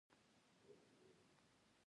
اورېدنه زموږ د زده کړې بنیاد دی.